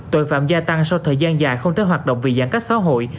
tội phạm gia tăng sau thời gian dài không tới hoạt động vì giãn cách xã hội